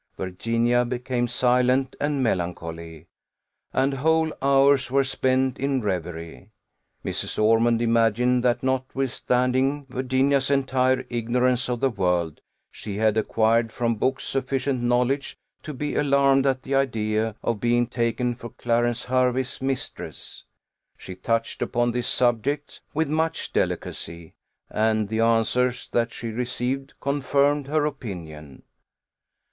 Virginia became silent and melancholy, and whole hours were spent in reverie. Mrs. Ormond imagined, that notwithstanding Virginia's entire ignorance of the world, she had acquired from books sufficient knowledge to be alarmed at the idea of being taken for Clarence Hervey's mistress. She touched upon this subject with much delicacy, and the answers that she received confirmed her opinion.